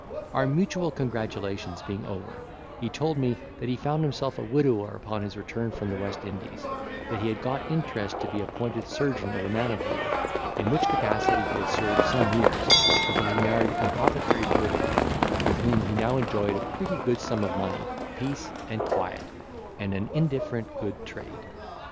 Our mutual congratulations being over, he told me, that he found himself a widower upon his return from the West Indies; that he had got interest to be appointed surgeon of a man of war, in which capacity he had served some years, until he married an apothecary's widow, with whom he now enjoyed a pretty good sum of money, peace, and quiet, and an indifferent good trade.